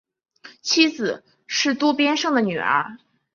妻子是渡边胜的女儿。